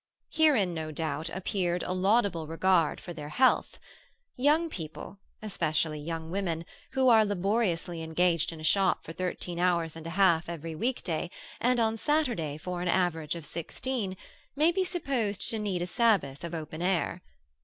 Herein, no doubt, appeared a laudable regard for their health. Young people, especially young women, who are laboriously engaged in a shop for thirteen hours and a half every weekday, and on Saturday for an average of sixteen, may be supposed to need a Sabbath of open air.